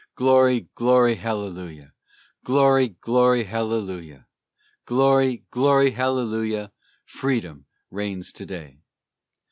Glory, glory hallelujah, Glory, glory hallelujah, Glory, glory hallelujah, Freedom reigns to day!